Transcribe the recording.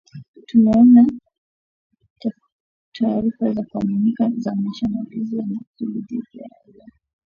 Tumeona taarifa za kuaminika za mashambulizi ya makusudi dhidi ya raia